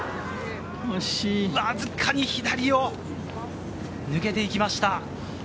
わずかに左を抜けていきました。